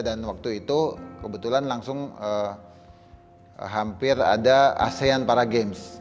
dan waktu itu kebetulan langsung hampir ada asean para games